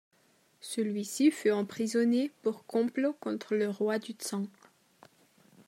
Celui-ci fut emprisonné pour complot contre le roi du Tsang.